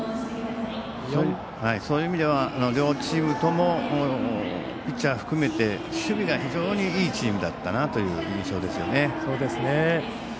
そういう意味では両チームともピッチャーを含めて守備が非常にいいチームだったなという印象ですね。